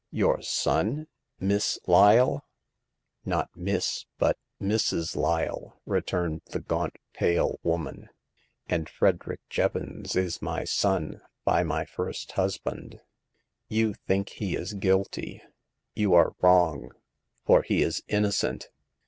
Your son. Miss Lyle ?"" Not Miss, but Mrs., Lyle," returned the gaunt, pale woman ;and Frederick Jevons is my son by my first husband. You think he is guilty ; you are wrong, for he is innocent.